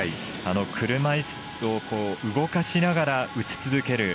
車いすを動かしながら打ち続ける。